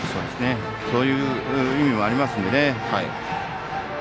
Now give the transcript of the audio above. そういう意味もありますのでね。